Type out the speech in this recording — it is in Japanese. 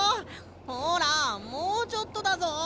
ほらもうちょっとだぞ！